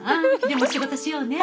でも仕事しようね。